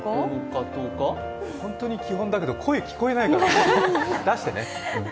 本当に基本だけど声聞こえないから、出してね。